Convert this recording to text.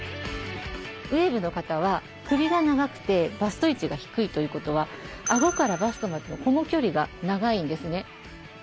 ウエーブの方は首が長くてバスト位置が低いということはあごからバストまでのこの距離が長いんですね。